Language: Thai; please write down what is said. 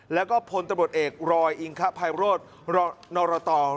แล้วก็ผลตำรวจเอกรอยอิงข์ไปส์รสฟราวน์ด์ตอ